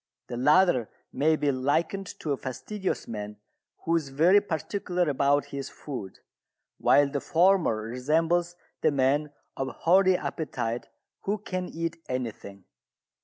The latter may be likened to a fastidious man who is very particular about his food, while the former resembles the man of hearty appetite who can eat anything.